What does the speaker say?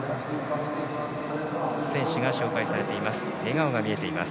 選手が紹介されています。